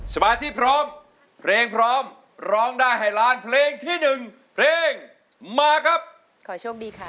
สมาธิพร้อมเพลงพร้อมร้องได้ให้ล้านเพลงที่หนึ่งเพลงมาครับขอโชคดีค่ะ